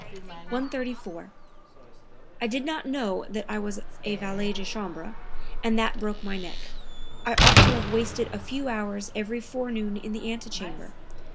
134. "I did not know that I was a valet de chambre, and that broke my neck. I ought to have wasted a few hours every forenoon in the antechamber.